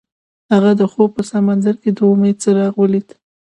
هغه د خوب په سمندر کې د امید څراغ ولید.